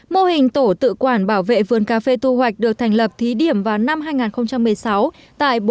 mô hình tổ tự quản bảo vệ vườn cà phê tu hoạch được thành lập thí điểm vào năm hai nghìn một mươi sáu tại